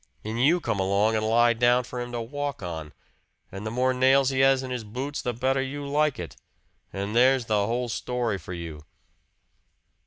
And you come along and lie down for him to walk on, and the more nails he has in his boots the better you like it! And there's the whole story for you!"